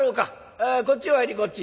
あこっちお入りこっち」。